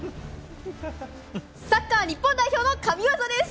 サッカー日本代表の神技です。